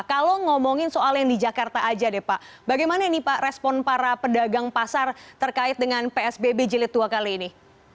kalau ngomongin soal yang di jakarta aja deh pak bagaimana nih pak respon para pedagang pasar terkait dengan psbb jilid dua kali ini